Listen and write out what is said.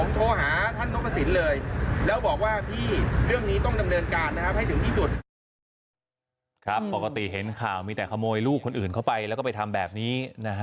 ปกติเห็นข่าวมีแต่ขโมยลูกคนอื่นเข้าไปแล้วก็ไปทำแบบนี้นะฮะ